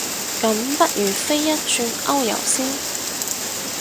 咁不如飛一轉歐遊先